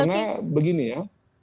karena begini ya